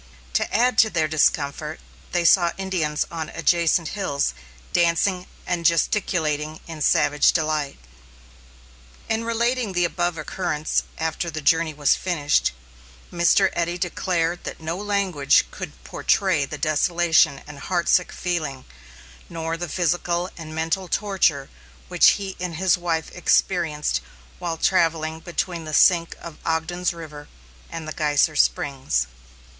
To add to their discomfort, they saw Indians on adjacent hills dancing and gesticulating in savage delight. In relating the above occurrence after the journey was finished, Mr. Eddy declared that no language could portray the desolation and heartsick feeling, nor the physical and mental torture which he and his wife experienced while travelling between the sink of Ogden's River and the Geyser Springs.